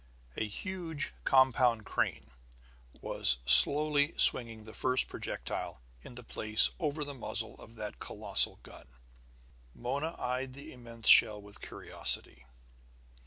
A huge compound crane was slowly swinging the first projectile into place over the muzzle of that colossal gun. Mona eyed the immense shell with curiosity.